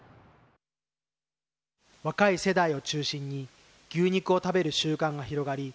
若い世代を中心に牛肉を食べる習慣が広がり